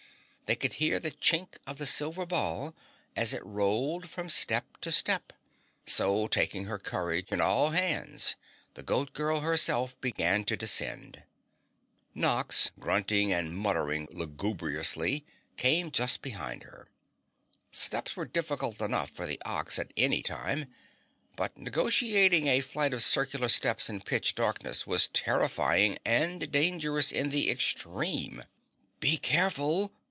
They could hear the chink of the silver ball as it rolled from step to step, so, taking her courage in all hands, the Goat Girl, herself, began to descend. Nox, grunting and muttering lugubriously, came just behind her. Steps were difficult enough for the Ox at any time, but negotiating a flight of circular steps in pitch darkness was terrifying and dangerous in the extreme. "Be careful!"